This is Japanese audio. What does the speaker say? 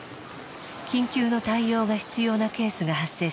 緊急の対応が必要なケースが発生しました。